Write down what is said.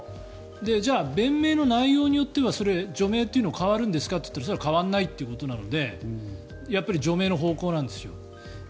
じゃあ、弁明の内容によっては除名というのは変わるんですかといったらそれは変わらないということなのでやっぱり除名の方向なんですよ。